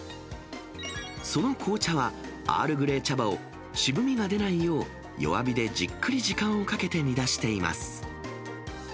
その紅茶は、アールグレイ茶葉を渋みが出ないよう、弱火でじっくり時間をかけて煮出しています。